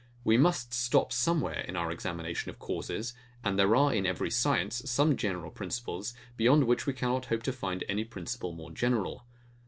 We must stop somewhere in our examination of causes; and there are, in every science, some general principles, beyond which we cannot hope to find any principle more general.